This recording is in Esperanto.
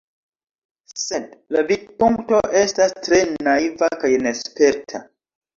Sed la vidpunkto estas tre naiva kaj nesperta.